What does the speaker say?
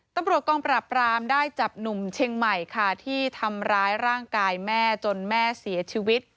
ตำรวจกองปราบรามได้จับหนุ่มเชียงใหม่ค่ะที่ทำร้ายร่างกายแม่จนแม่เสียชีวิต